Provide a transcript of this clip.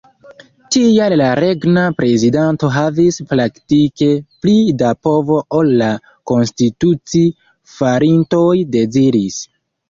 Tial la regna prezidanto havis praktike pli da povo ol la konstituci-farintoj deziris.